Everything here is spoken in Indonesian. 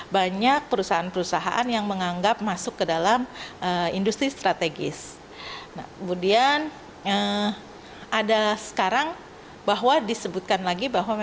banyak perusahaan perusahaan yang menganggap masuk ke dalam